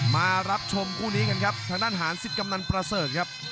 มารับชมคู่นี้กันครับทางด้านหารสิทธิกำนันประเสริฐครับ